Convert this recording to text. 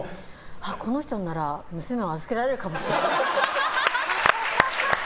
この人になら娘を預けられるかもしれないって。